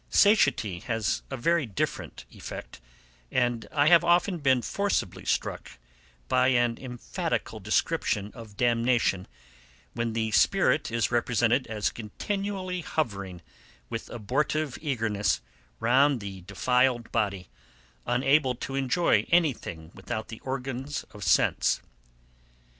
Satiety has a very different effect, and I have often been forcibly struck by an emphatical description of damnation, when the spirit is represented as continually hovering with abortive eagerness round the defiled body, unable to enjoy any thing without the organs of sense.